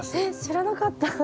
えっ知らなかった。